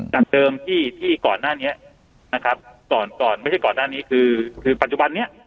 แต่เติมที่ก่อนหน้านี้นะครับก่อนไม่ใช่ก่อนหน้านี้คือปัจจุบันนี้